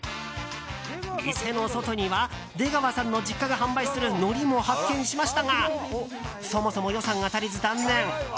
店の外には出川さんの実家が販売するのりも発見しましたがそもそも予算が足りず、断念。